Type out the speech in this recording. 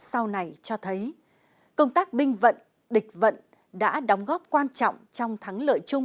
sau này cho thấy công tác binh vận địch vận đã đóng góp quan trọng trong thắng lợi chung